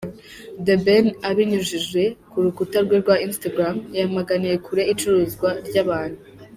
The Ben abinyujije ku rukuta rwe rwa Instagram yamaganiye kure icuruzwa ry'abantu.